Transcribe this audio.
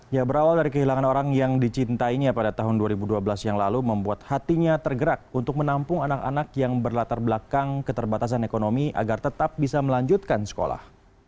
ya berawal dari kehilangan orang yang dicintainya pada tahun dua ribu dua belas yang lalu membuat hatinya tergerak untuk menampung anak anak yang berlatar belakang keterbatasan ekonomi agar tetap bisa melanjutkan sekolah